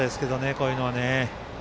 こういうのは。